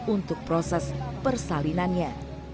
untuk proses persalinannya